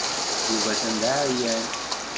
Yuba atan d aɛeryan.